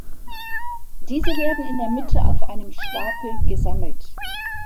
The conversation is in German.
Diese werden in der Mitte auf einem Stapel gesammelt.